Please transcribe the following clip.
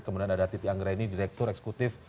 kemudian ada titi anggraini direktur eksekutif